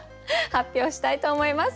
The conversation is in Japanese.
発表したいと思います。